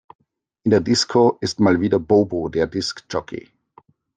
In der Disco ist mal wieder Bobo der Disk Jockey.